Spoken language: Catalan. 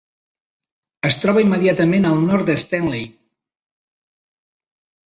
Es troba immediatament al nord de Stanley.